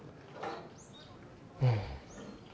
うん。